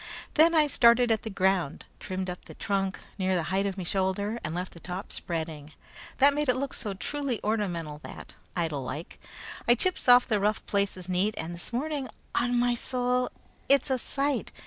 Then I started at the ground, trimmed up the trunk near the height of me shoulder, and left the top spreading. That made it look so truly ornamental that, idle like, I chips off the rough places neat, and this morning, on me soul, it's a sight!